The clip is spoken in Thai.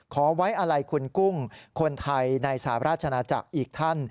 ขอไว้อะไรคุณกุ้งคนไทยในสหราชนาจักรอีกท่าน